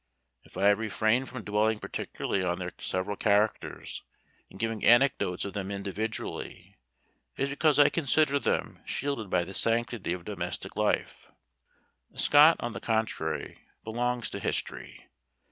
If I have refrained from dwelling particularly on their several characters, and giving anecdotes of them individually, it is because I consider them shielded by the sanctity of domestic life; Scott, on the contrary, belongs to history.